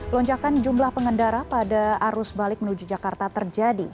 lonjakan jumlah pengendara pada arus balik menuju jakarta terjadi